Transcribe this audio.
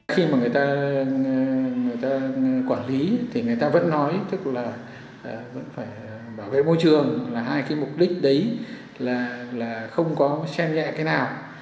khi mà người ta người ta quản lý thì người ta vẫn nói tức là vẫn phải bảo vệ môi trường là hai cái mục đích đấy là không có xem nhẹ cái nào